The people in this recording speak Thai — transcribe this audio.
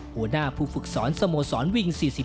หัวหน้าผู้ฝึกสอนสโมสรวิ่ง๔๕